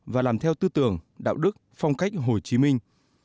và làm theo tư tưởng đạo đức phong cách hồ chí minh